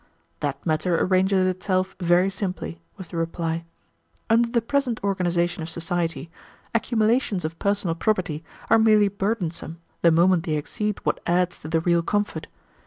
"That matter arranges itself very simply," was the reply. "Under the present organization of society, accumulations of personal property are merely burdensome the moment they exceed what adds to the real comfort.